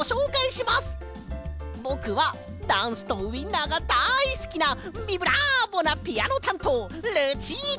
ぼくはダンスとウインナーがだいすきなビブラーボなピアノたんとうルチータ！